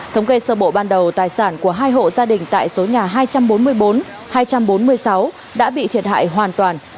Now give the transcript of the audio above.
thống kê sơ bộ ban đầu tài sản của hai hộ gia đình tại số nhà hai trăm bốn mươi bốn hai trăm bốn mươi sáu đã bị thiệt hại hoàn toàn